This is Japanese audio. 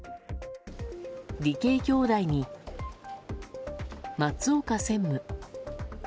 理系兄弟に松岡専務。